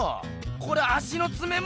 これ足のつめも？